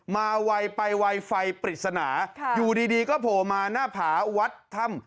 มาวัยไปวัยไฟปริศนาอยู่ดีก็โผล่มาหน้าผาวัดธรรม